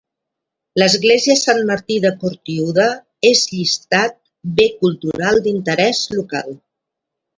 L'església Sant Martí de Cortiuda és llistat bé cultural d'interès local.